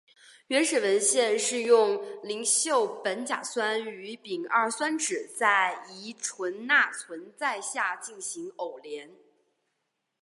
原始文献是用邻溴苯甲酸与丙二酸酯在乙醇钠存在下进行偶联。